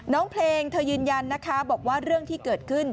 น้องเพลงเธอยืนยันนะคะบอกว่าเรื่องที่เกิดขึ้น